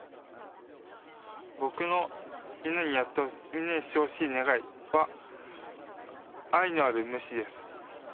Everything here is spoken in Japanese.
僕のみんなにしてほしい願いは愛のある無視です。